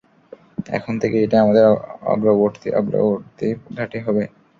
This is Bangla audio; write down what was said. এখন থেকে, এটাই আমাদের অগ্রবর্তী ঘাঁটি হবে।